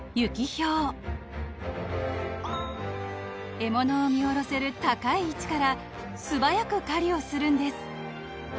［獲物を見下ろせる高い位置から素早く狩りをするんです］